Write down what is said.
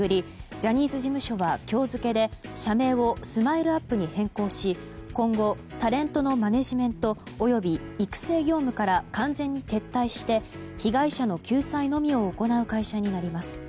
ジャニーズ事務所は今日付で社名をＳＭＩＬＥ‐ＵＰ．に変更し今後、タレントのマネジメント及び育成業務から完全に撤退して被害者の救済のみを行う会社になります。